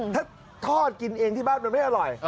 ถ้าทอดกินเองที่บ้านมันไม่อร่อย